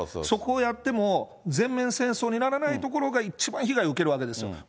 そこをやっても、全面戦争にならないところが一番被害を受けるわけですよ。